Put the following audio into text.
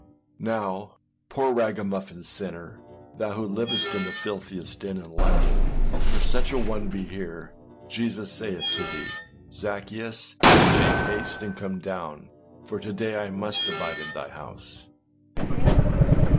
Now, poor ragamuffin sinner, thou who livest in the filthiest den in London, if such an one be here, Jesus saith to thee, âZaccheus, make haste and come down; for to day I must abide in thy house.